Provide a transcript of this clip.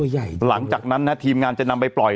หลังจากนั้นนะทีมงานจะนำไปปล่อย